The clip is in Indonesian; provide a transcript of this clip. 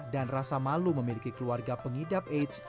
rasa malu memiliki keluarga pengidap aids